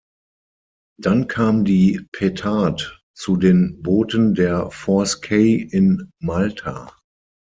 Dann kam die "Petard" zu den Booten der ‚Force K‘ in Malta.